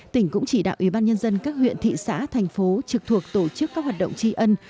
tỉnh cũng chỉ đạo ủy ban nhân dân các huyện thị xã thành phố trực thuộc tổ chức các hoạt động tri ân